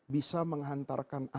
bisa menghantarkan adik perempuan